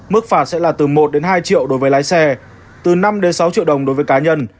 mức phạt sẽ là từ một hai triệu đối với lái xe từ năm sáu triệu đồng đối với cá nhân